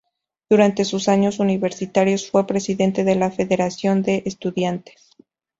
Durante sus años universitarios fue presidente de la Federación de Estudiantes.